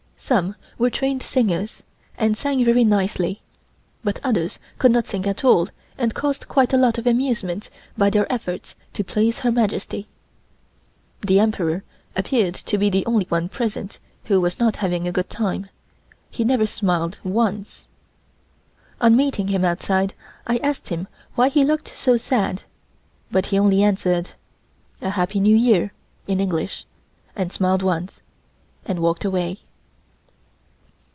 Some were trained singers, and sang very nicely, but others could not sing at all and caused quite a lot of amusement by their efforts to please Her Majesty. The Emperor appeared to be the only one present who was not having a good time; he never smiled once. On meeting him outside, I asked him why he looked so sad, but he only answered: "A Happy New Year" in English, smiled once, and walked away.